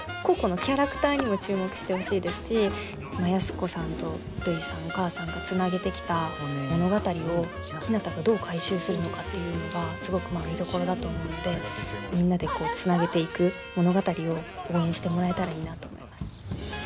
個々のキャラクターにも注目してほしいですし安子さんとるいさんお母さんがつなげてきた物語をひなたがどう回収するのかっていうのがすごく見どころだと思うのでみんなでつなげていく物語を応援してもらえたらいいなと思います。